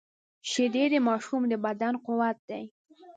شیدې د ماشوم د بدن قوت دي